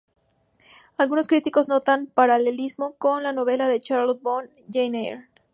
Algunos críticos notan paralelismos con la novela de Charlotte Brontë "Jane Eyre".